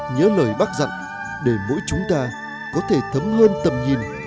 nhớ lời bác dặn để mỗi chúng ta có thể thấm hơn tầm nhìn